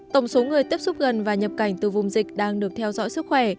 tổng số người tiếp xúc gần và nhập cảnh từ vùng dịch đang được theo dõi sức khỏe